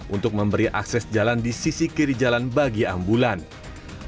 untuk memberi akses jalan di sisi kiri jalan bagi ambulans